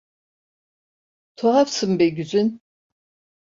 Tuhafsın be Güzin!